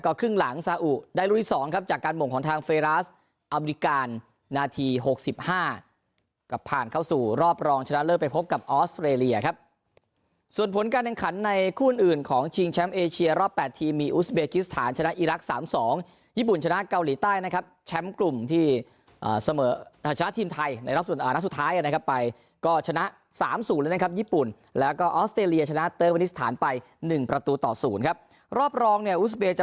ครึ่งหลังซาอุไดโลยีสองครับจากการหม่อของทางเฟรราสอับริกาลนาทีหกสิบห้ากับผ่านเข้าสู่รอบรองชนะเลิฟไปพบกับออสเตรเลียครับส่วนผลการแข่งขันในคู่นอื่นของชิงแชมป์เอเชียรอบแปดทีมีอุสเบคิสทานชนะอิรักษ์สามสองญี่ปุ่นชนะเกาหลีใต้นะครับแชมป์กลุ่มที่อ่าเสมอชนะทีมไทยใน